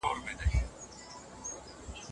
د میوو لپاره ښه بازار ته اړتیا ده.